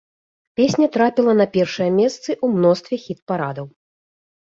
Песня трапіла на першыя месцы ў мностве хіт-парадаў.